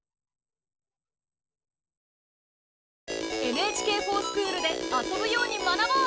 「ＮＨＫｆｏｒＳｃｈｏｏｌ」で遊ぶように学ぼう！